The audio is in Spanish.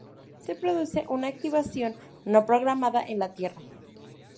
Se produce una activación no programada en la Tierra.